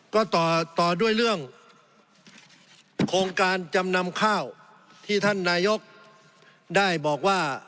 ก็ต่อด้วยเรื่องโครงการจำนำข้าวที่ท่านนายกได้บอกว่า